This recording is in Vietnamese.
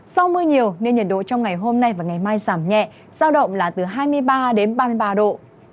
do mưa nhiều nên nhiệt độ trong ngày hôm nay và ngày mai giảm nhẹ giao động là từ hai mươi ba đến ba mươi ba độ